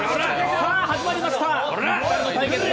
さぁ、始まりました！